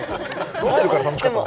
飲んでるから楽しかった。